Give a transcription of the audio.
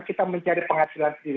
kita mencari penghasilan sendiri